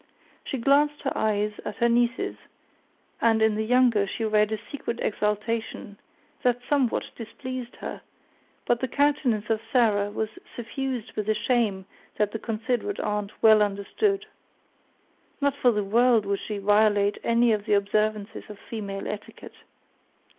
She glanced her eyes at her nieces, and in the younger she read a secret exultation that somewhat displeased her; but the countenance of Sarah was suffused with a shame that the considerate aunt well understood. Not for the world would she violate any of the observances of female etiquette.